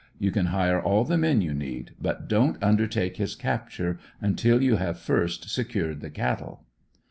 You can hire all the men you need; but don't undertake his capture until you have first secured the cattle."